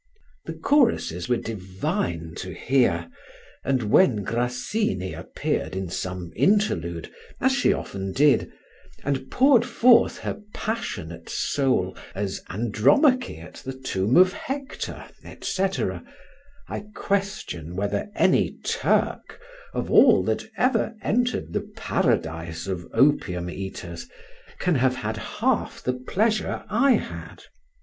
The choruses were divine to hear, and when Grassini appeared in some interlude, as she often did, and poured forth her passionate soul as Andromache at the tomb of Hector, &c., I question whether any Turk, of all that ever entered the Paradise of Opium eaters, can have had half the pleasure I had.